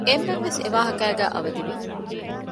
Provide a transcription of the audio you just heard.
އެންމެންވެސް އެވާހަކައިގައި އަވަދިވި